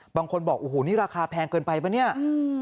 บางคนบอกโอ้โหนี่ราคาแพงเกินไปป่ะเนี่ย